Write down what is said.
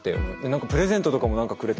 プレゼントとかも何かくれて。